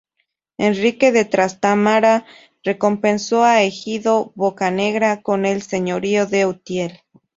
Enrique de Trastámara recompensó a Egidio Boccanegra con el señorío de Utiel.